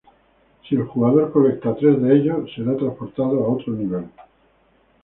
Si el jugador colecta tres de ellos, será transportado a otro nivel.